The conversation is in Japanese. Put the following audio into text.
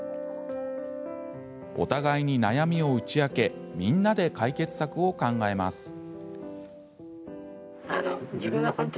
お互いに悩みを打ち明けみんなで解決策を考えます。